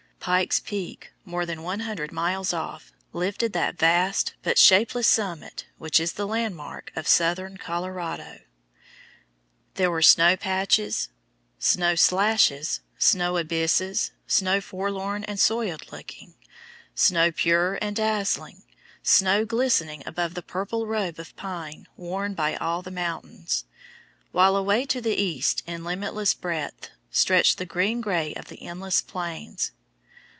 Pike's Peak, more than one hundred miles off, lifted that vast but shapeless summit which is the landmark of southern Colorado. There were snow patches, snow slashes, snow abysses, snow forlorn and soiled looking, snow pure and dazzling, snow glistening above the purple robe of pine worn by all the mountains; while away to the east, in limitless breadth, stretched the green grey of the endless Plains.